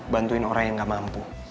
bantuin orang yang gak mampu